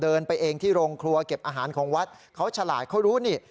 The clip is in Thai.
เดินไปเองที่โรงครัวเก็บอาหารของวัดเขาฉลาดเขารู้นี่